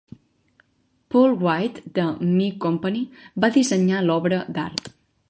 Paul White de "me company" va dissenyar l'obra d'art.